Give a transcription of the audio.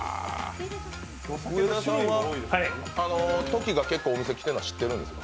上田さんはトキが結構お店に来ているのは知っていますか？